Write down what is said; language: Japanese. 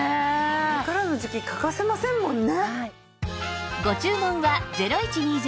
これからの時季欠かせませんもんね。